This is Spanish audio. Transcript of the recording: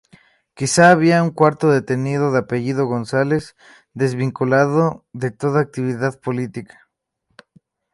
Quizá había un cuarto detenido, de apellido González, desvinculado de toda actividad política.